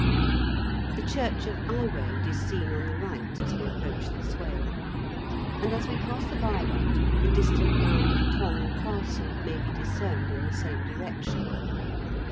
The church of Iwade is seen on the right as we approach the Swale ; and as we cross the viaduct the distant mound of Tong Castle may be discerned in the same direction.